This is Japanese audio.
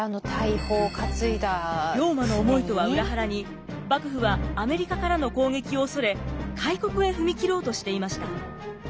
龍馬の思いとは裏腹に幕府はアメリカからの攻撃を恐れ開国へ踏み切ろうとしていました。